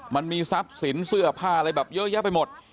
มันมีทรัพย์สินเสื้อผ้าอะไรแบบเยอะแยะไปหมด